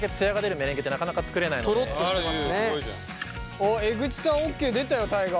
おっ江口さんＯＫ出たよ大我。